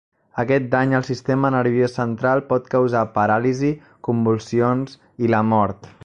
Aquest dany al sistema nerviós central pot causar paràlisi, convulsions i la mort.